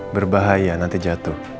berbahaya nanti jatuh